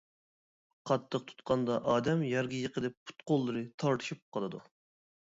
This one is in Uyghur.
قاتتىق تۇتقاندا ئادەم يەرگە يىقىلىپ، پۇت-قوللىرى تارتىشىپ قالىدۇ.